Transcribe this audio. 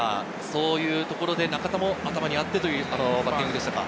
そういうところで中田も頭にあったというバッティングでしたか。